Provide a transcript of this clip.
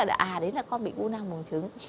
à đấy là con bị u năng bùng trứng